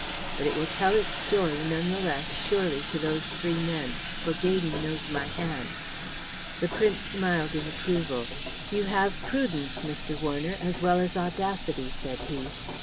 But it will tell its story none the less surely to those three men, for Gaydon knows my hand." The Prince smiled in approval. "You have prudence, Mr. Warner, as well as audacity," said he.